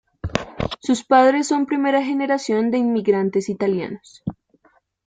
Sus padres son primera generación de inmigrantes italianos.